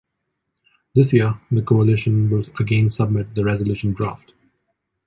This year, the Coalition will again submit the resolution draft.